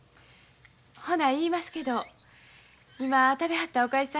ほな言いますけど今食べはったおかいさん